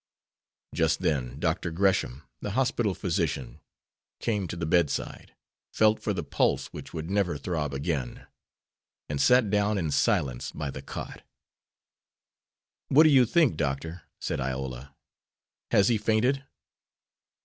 Just then Dr. Gresham, the hospital physician, came to the bedside, felt for the pulse which would never throb again, and sat down in silence by the cot. "What do you think, Doctor," said Iola, "has he fainted?"